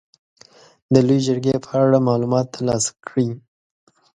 د لويې جرګې په اړه معلومات تر لاسه کړئ.